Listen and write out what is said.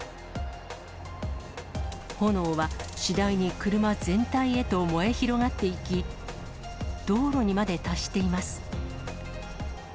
炎は次第に車全体へと燃え広がっていき、道路にまで達しています。